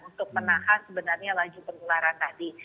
untuk menahan sebenarnya laju penularan tadi